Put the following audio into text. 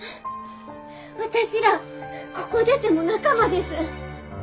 私らここ出ても仲間です。